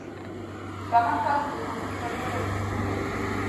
شتمن خلک د غرور پر ځای عاجزي لري.